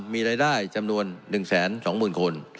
มีรายได้จำนวน๑๒๐๐๐คน